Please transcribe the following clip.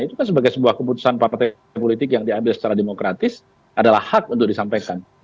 itu kan sebagai sebuah keputusan partai politik yang diambil secara demokratis adalah hak untuk disampaikan